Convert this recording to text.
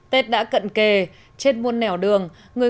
tết đã cận kề trên muôn nẻo đường người